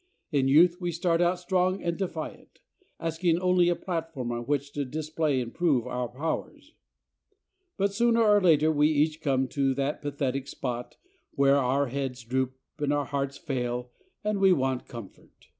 In youth we start out strong and defiant, asking only a platform on which to display and prove our powers, but sooner or later we each come to that pathetic spot where our heads droop and our hearts fail and we want comfort.